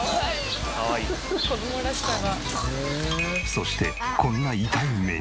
そしてこんな痛い目に。